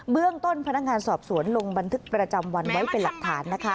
เรื่องต้นพนักงานสอบสวนลงบันทึกประจำวันไว้เป็นหลักฐานนะคะ